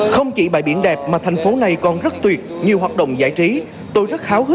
không chỉ bãi biển đẹp mà thành phố này còn rất tuyệt nhiều hoạt động giải trí